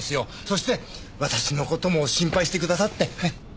そして私の事も心配してくださって。